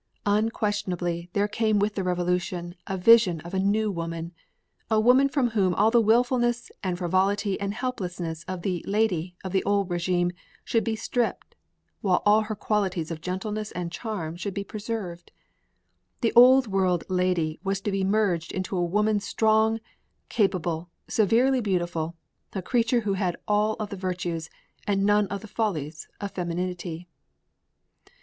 Unquestionably there came with the Revolution a vision of a new woman a woman from whom all of the willfulness and frivolity and helplessness of the "Lady" of the old régime should be stripped, while all her qualities of gentleness and charm should be preserved. The old world lady was to be merged into a woman strong, capable, severely beautiful, a creature who had all of the virtues and none of the follies of femininity.